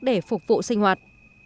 để phục vụ sinh hoạt